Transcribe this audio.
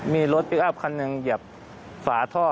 มีรถอีกอับคันหนึ่งหยับฝาท่อ